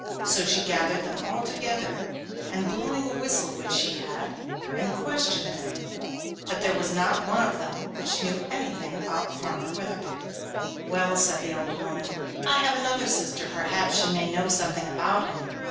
So she gathered them all together by blowing a whistle which she had, and questioned them, but there was not one of them which knew anything about Farmer Weatherbeard. 'Well,' said the old woman, 'I have another sister; perhaps she may know something about him.